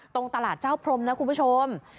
ตรงตลาดเจ้าพรมนะคุณผู้ชม